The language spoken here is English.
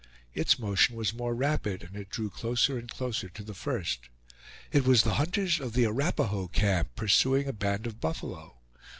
Its motion was more rapid, and it drew closer and closer to the first. It was the hunters of the Arapahoe camp pursuing a band of buffalo.